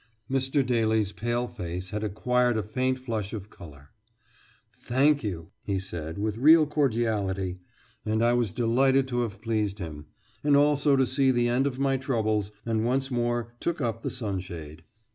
Mr. Daly's pale face had acquired a faint flush of colour, "Thank you!" he said, with real cordiality, and I was delighted to have pleased him, and also to see the end of my troubles, and once more took up the sun shade.